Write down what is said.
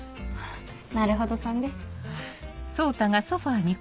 なるほどさんです。